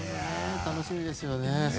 楽しみですよね。